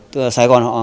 tức là sài gòn họ